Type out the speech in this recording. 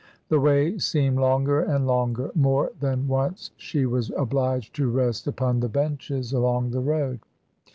The way seemed longer and longer; more than once she was obliged to rest upon the benches 170 MRS. DYMOND. along the road.